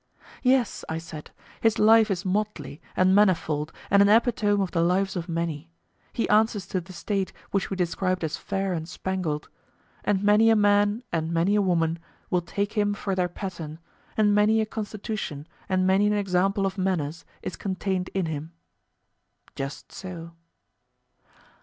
Yes, I said; his life is motley and manifold and an epitome of the lives of many;—he answers to the State which we described as fair and spangled. And many a man and many a woman will take him for their pattern, and many a constitution and many an example of manners is contained in him. Just so.